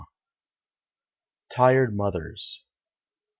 TIRED MOTHERS.